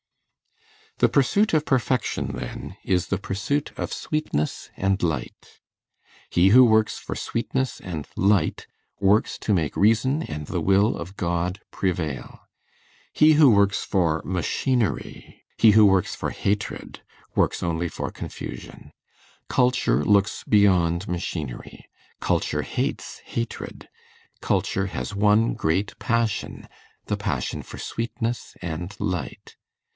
The pursuit of perfection, then, is the pursuit of sweetness and light. He who works for sweetness and light, works to make reason and the will of God prevail. He who works for machinery, he who works for hatred, works only for confusion. Culture looks beyond machinery, culture hates hatred; culture has one great passion, the passion for sweetness and light.